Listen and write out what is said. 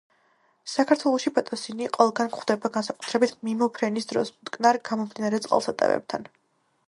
საქართველოში ბატასინი ყველგან გვხვდება, განსაკუთრებით მიმოფრენის დროს, მტკნარ, გამდინარე წყალსატევებთან.